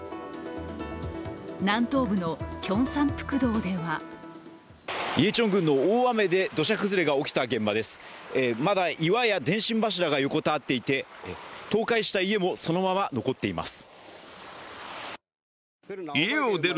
南東部のキョンサンプクトではイェチョン郡の大雨で土砂が起きた現場ですまだ岩や電信柱が横たわっていて倒壊した家もそのまま残っています。